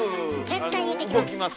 絶対言うてきます。